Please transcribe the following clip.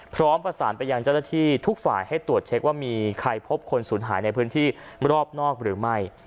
พร้อมประสานไปยังเจ้าหน้าที่ทุกฝ่ายให้ตรวจเช็คว่ามีใครพบคนสูญหายในพื้นที่รอบนอกหรือไม่